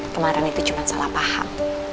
kemarin itu cuma salah paham